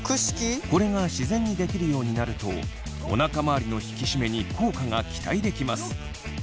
これが自然にできるようになるとおなか周りの引き締めに効果が期待できます。